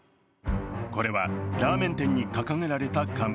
これはラーメン店に掲げられた看板。